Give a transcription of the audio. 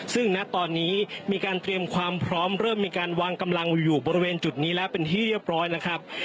ซึ่งณตอนนี้มีการเตรียมความพร้อมเริ่มมีการวางกำลังอยู่บริเวณจุดนี้แล้วเป็นที่เรียบร้อยแล้วครับ